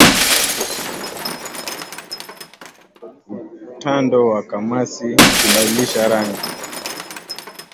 Utando wa kamasi kubadili rangi